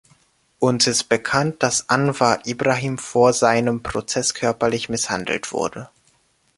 Uns ist bekannt, dass Anwar Ibrahim vor seinem Prozess körperlich misshandelt wurde.